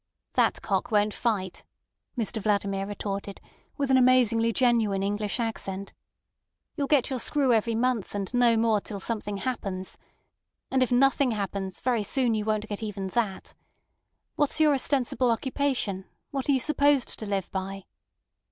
"That cock won't fight," Mr Vladimir retorted, with an amazingly genuine English accent. "You'll get your screw every month, and no more till something happens. And if nothing happens very soon you won't get even that. What's your ostensible occupation? What are you supposed to live by?"